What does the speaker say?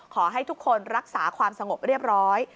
ขอให้ทุกคนรักษาความสงบเรียบร้อย